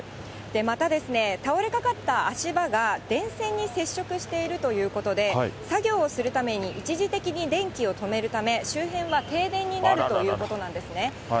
また、倒れかかった足場が電線に接触しているということで、作業をするために一時的に電気を止めるため、周辺は停電になるということなんですね。